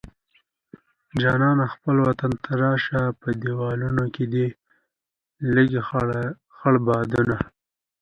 جانانه خپل وطن ته راشه په دالانونو کې دې لګي خړ بادونه